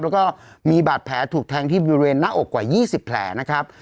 แล้วก็มีบาดแผลถูกแทงที่บริเวณหน้าอกกว่า๒๐แผลนะครับ